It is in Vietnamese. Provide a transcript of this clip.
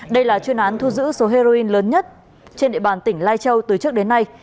đây là chuyên án thu giữ số heroin lớn nhất trên địa bàn tỉnh lai châu từ trước đến nay